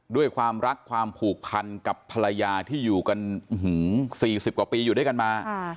ด้วยความรักความผูกพันกับภรรยาที่อยู่กัน๔๐กว่าปีอยู่ด้วยกันมา